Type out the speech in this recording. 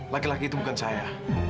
laki laki itu bukan saya